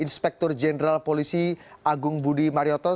inspektur jenderal polisi agung budi marioto